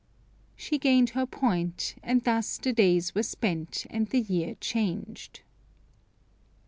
She gained her point, and thus the days were spent and the year changed.